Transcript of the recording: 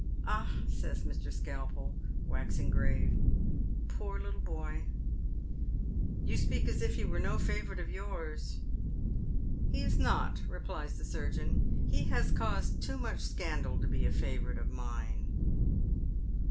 " Ah," says Mr. Skalpel, waxing grave, " poor little boy." * You speak as if he were no favourite of yours." He is not," replies the surgeon. " He has caused too much Bcandal to be a favourite of mine."